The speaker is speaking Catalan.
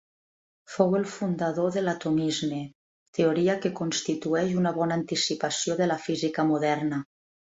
Fou el fundador de l'atomisme, teoria que constitueix una bona anticipació de la física moderna.